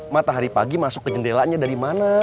matahari pagi masuk ke jendelanya dari mana